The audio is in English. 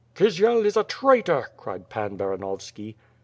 "Kisiel is a traitor/' cried Pan Baranovski.